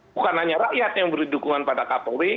bukan hanya rakyat yang beri dukungan pada kapolri